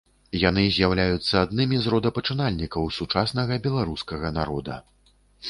Яны з'яўляюцца аднымі з родапачынальнікаў сучаснага беларускага народа.